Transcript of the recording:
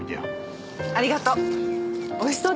ありがとう。